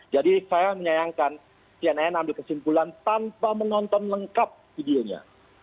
jadi saya menyayangkan cnn ambil kesimpulan tanpa menonton lengkap videonya